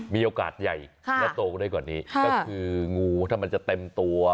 มีโอกาสใหญ่และโตได้กว่านี้ก็คืองูถ้ามันจะเต็มตัว